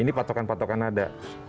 ini patokan patokan nada